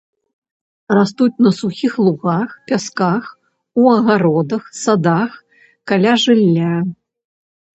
Растуць на сухіх лугах, пясках, у агародах, садах, каля жылля.